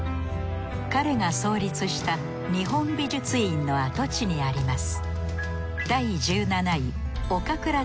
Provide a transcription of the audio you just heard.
彼が創立した日本美術院の跡地にあります